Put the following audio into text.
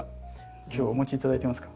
今日お持ちいただいてますか？